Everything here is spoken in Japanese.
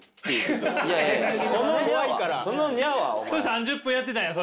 それ３０分やってたんや？